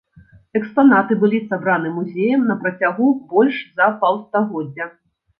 Экспанаты былі сабраны музеем на працягу больш за паўстагоддзя.